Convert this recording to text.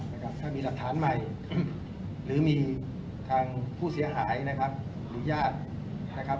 ถ้ามีหลักฐานใหม่หรือมีทางผู้เสียหายนะครับหรือญาตินะครับ